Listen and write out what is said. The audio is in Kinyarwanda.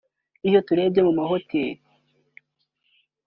iyo turebye mu mahoteli